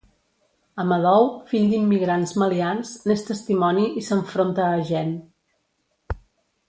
Amadou, fill d'immigrants malians, n'és testimoni i s'enfronta a Jean.